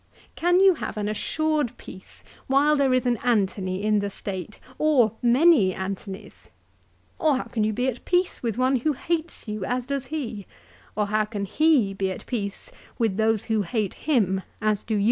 "Can you have an assured peace while there is an Antony in the State, or many Antonys ?"" Or how can you be at peace with one who hates you as does he, or how can he be at peace with those who hate him as do you